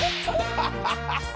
ハハハハ！